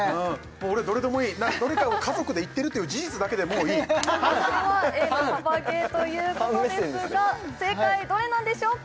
俺どれでもいいなんかどれかを家族で行ってるっていう事実だけでもういい南さんはＡのサバゲーということですが正解どれなんでしょうか？